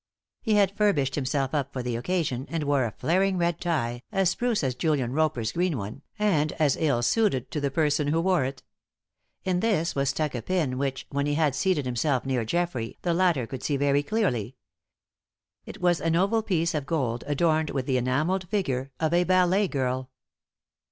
He had furbished himself up for the occasion, and wore a flaring red tie as spruce as Julian Roper's green one, and as ill suited to the person who wore it. In this was stuck a pin which, when he had seated himself near Geoffrey, the latter could see very clearly. It was an oval piece of gold adorned with the enamelled figure of a ballet girl!